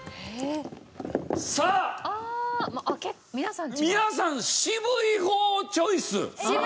皆さん渋い方チョイス。